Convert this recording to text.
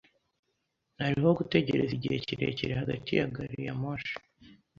Hariho gutegereza igihe kirekire hagati ya gari ya moshi.